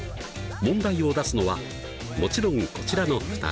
問題を出すのはもちろんこちらの２人。